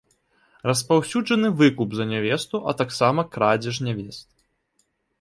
Распаўсюджаны выкуп за нявесту, а таксама крадзеж нявест.